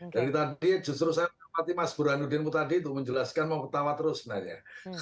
dari tadi justru saya mengikuti mas buruhanudinmu tadi itu menjelaskan mau ketawa terus sebenarnya